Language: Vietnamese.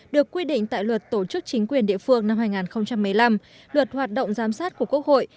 được quy định tại luật tổ chức chính quyền địa phương năm hai nghìn một mươi năm luật hoạt động giám sát của quốc hội